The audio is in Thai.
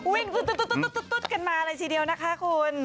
ตุ๊ดกันมาเลยทีเดียวนะคะคุณ